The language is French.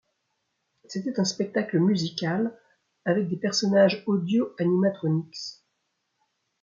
C'était un spectacle musical avec des personnages audio-animatronics.